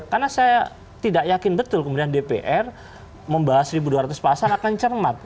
karena saya tidak yakin betul kemudian dpr membahas seribu dua ratus pasal akan cermat